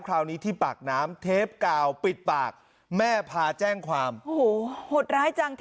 คราวนี้ที่ปากน้ำเทปกาวปิดปากแม่พาแจ้งความโอ้โหหดร้ายจัง